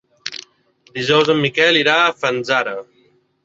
Dijous en Miquel irà a Fanzara.